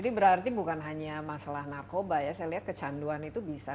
jadi berarti bukan hanya masalah narkoba ya saya lihat kecanduan itu bisa